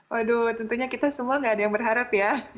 waduh tentunya kita semua gak ada yang berharap ya